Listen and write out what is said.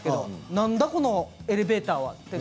なんだ、このエレベーターはと。